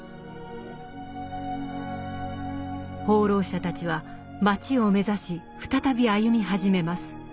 放浪者たちは「街」を目指し再び歩み始めます。